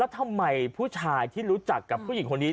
ทำไมผู้ชายที่รู้จักกับผู้หญิงคนนี้